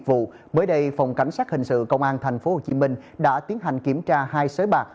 với đây phòng cảnh sát hình sự công an tp hcm đã tiến hành kiểm tra hai xới bạc